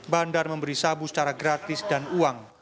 bandar memberi sabu secara gratis dan uang